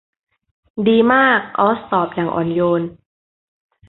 ดีมากออซตอบอย่างอ่อนโยน